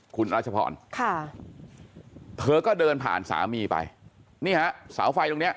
คุณรัชพรค่ะเธอก็เดินผ่านสามีไปนี่ฮะเสาไฟตรงเนี้ย